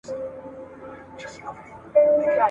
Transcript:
د خدای دوستان راغلي ول.